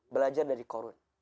belajar dari qorun